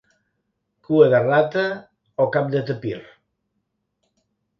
Cua de rata o cap de tapir.